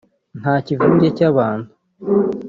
nta kivunge cy’abantu